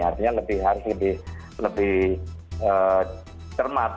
artinya lebih cermat